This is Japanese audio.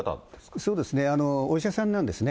そうですね、お医者さんなんですね。